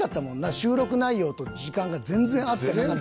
収録内容と時間が全然合ってなかったから。